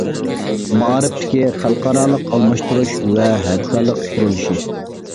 مائارىپتىكى خەلقئارالىق ئالماشتۇرۇش ۋە ھەمكارلىق قۇرۇلۇشى.